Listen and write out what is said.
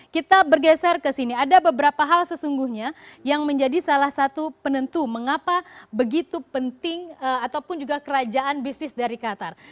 kita bergeser ke sini ada beberapa hal sesungguhnya yang menjadi salah satu penentu mengapa begitu penting ataupun juga kerajaan bisnis dari qatar